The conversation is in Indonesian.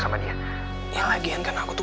sama dia yang lagian kan aku tuh